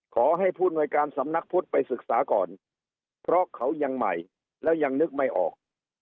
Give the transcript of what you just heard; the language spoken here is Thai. ขอให้ผู้อำนวยการสำนักพุทธไปศึกษาก่อนเพราะเขายังใหม่แล้วยังนึกไม่ออก